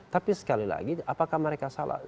tapi sekali lagi apakah mereka salah